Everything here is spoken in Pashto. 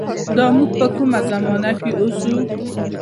دا مونږ په کومه زمانه کښې اوسو